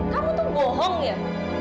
kamu tuh bohong ya